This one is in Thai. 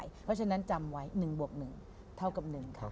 เพราะฉะนั้นจำไว้๑บวก๑เท่ากับ๑ค่ะ